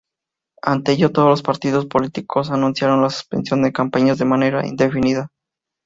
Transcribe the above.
Ante ello, todos los partidos políticos anunciaron la suspensión de campañas de manera indefinida.